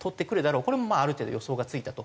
これもある程度予想がついたと。